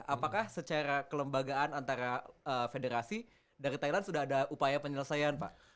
apakah secara kelembagaan antara federasi dari thailand sudah ada upaya penyelesaian pak